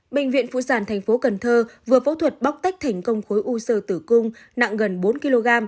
bệnh viện phụ sản thành phố cần thơ vừa phẫu thuật bóc tách thành công khối u sơ tử cung nặng gần bốn kg